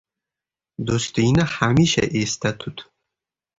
— Do‘stingni hamisha esda tut.